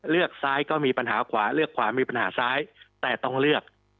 ซ้ายก็มีปัญหาขวาเลือกขวามีปัญหาซ้ายแต่ต้องเลือก